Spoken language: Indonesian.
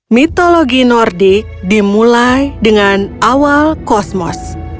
mitologi nordik dimulai dengan awal kosmos